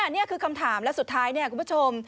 นี่คือคำถามและสุดท้ายเนี่ยคุณผู้ชม